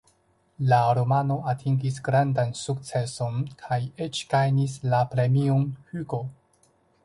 La romano atingis grandan sukceson kaj eĉ gajnis la Premion Hugo.